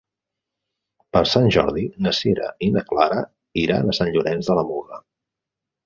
Per Sant Jordi na Sira i na Clara iran a Sant Llorenç de la Muga.